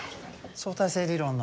相対性理論の。